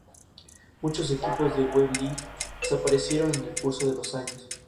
Proyectos empresariales, prestación de servicios producidos en el mismo municipio.